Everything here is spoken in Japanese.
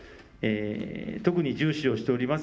特に重視をしております